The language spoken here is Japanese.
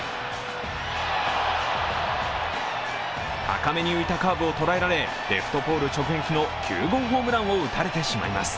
高めに浮いたカーブを捉えられレフトポール直撃の９号ホームランを打たれてしまいます。